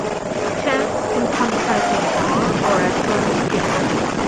Chefs in some type of bar or restaurant 's kitchens.